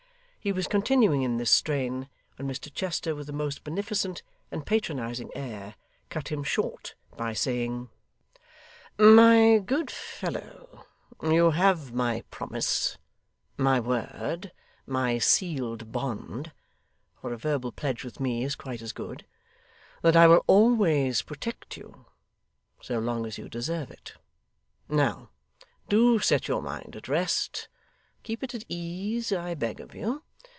He was continuing in this strain, when Mr Chester with a most beneficent and patronising air cut him short by saying: 'My good fellow, you have my promise, my word, my sealed bond (for a verbal pledge with me is quite as good), that I will always protect you so long as you deserve it. Now, do set your mind at rest. Keep it at ease, I beg of you.